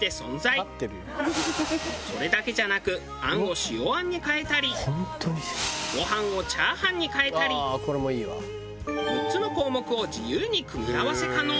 それだけじゃなく餡を塩餡に変えたりご飯を炒飯に変えたり６つの項目を自由に組み合わせ可能。